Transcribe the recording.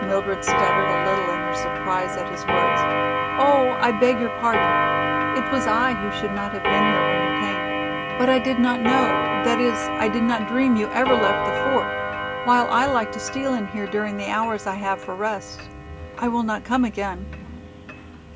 _" Mildred stuttered a little in her surprise at his words. "Oh, I beg your pardon, it was I who should not have been here when you came. But I did not know, that is I did not dream you ever left the fort, while I like to steal in here during the hours I have for rest. I will not come again."